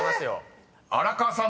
［荒川さん